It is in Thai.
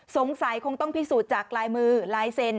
สงสัยคงต้องพิสูจน์จากลายมือลายเซ็น